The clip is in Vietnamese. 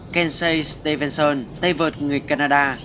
kensei stevenson tay vợt người canada